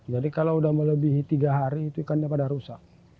jadi kalau udah melebihi tiga hari itu ikannya pada rusak